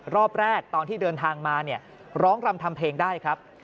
รอบแรกตอนที่เดินทางมาเนี่ยร้องรำทำเพลงได้ครับ